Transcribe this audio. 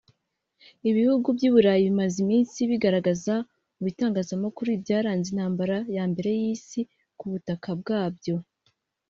Ibihugu by’i Burayi bimaze iminsi bigaragaza mu bitangazamakuru ibyaranze Intambara ya Mbere y’Isi ku butaka bwabyo